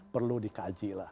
perlu dikaji lah